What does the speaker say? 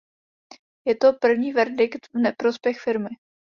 Je to první verdikt v neprospěch firmy.